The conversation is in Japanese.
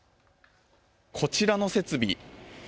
こちらの設備。